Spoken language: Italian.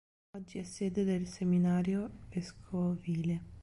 Oggi è sede del seminario vescovile.